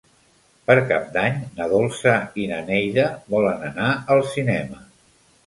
Per Cap d'Any na Dolça i na Neida volen anar al cinema.